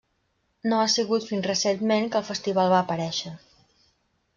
No ha sigut fins recentment que el festival va aparèixer.